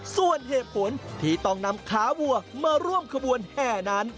ส่วนเหตุผลที่ต้องนำขาวัวมาร่วมขบวนแห่นั้น